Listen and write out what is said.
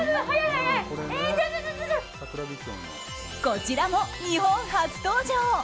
こちらも日本初登場